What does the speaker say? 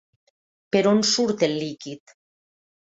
Per on surt el líquid?